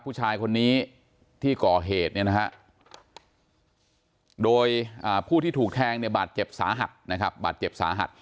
ผู้ชายคนนี้ที่ก่อเหตุโดยผู้ที่ถูกแทงบาดเจ็บสาหัส